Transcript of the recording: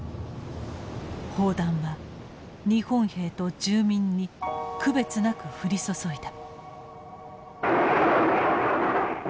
砲弾は日本兵と住民に区別なく降り注いだ。